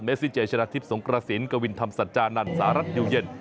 ซิเจชนะทิพย์สงกระสินกวินธรรมสัจจานันสหรัฐอยู่เย็น